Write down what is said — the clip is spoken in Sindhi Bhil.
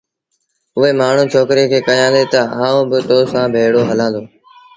اُئي مآڻهوٚٚݩ ڇوڪري کي ڪهيآݩدي تا آئوݩ با تو سآݩ ڀيڙو هلآݩ دو